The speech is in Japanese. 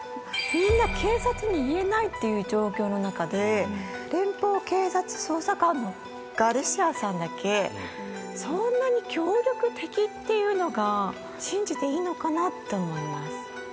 みんな警察に言えないって状況の中で連邦警察捜査官のガルシアさんだけそんなに協力的っていうのが信じていいのかなと思います。